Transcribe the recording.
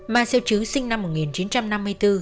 ma xeo chứ sinh năm một nghìn chín trăm năm mươi bốn